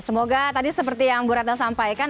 semoga tadi seperti yang bu retno sampaikan